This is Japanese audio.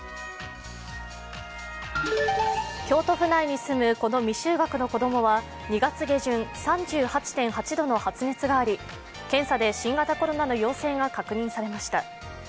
京都府内に住むこの未就学の子供は２月下旬３８．８度の発熱があり検査で新型コロナの陽性が確認されました。